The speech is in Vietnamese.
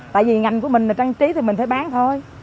tại vì ngành của mình trang trí thì mình phải bán thôi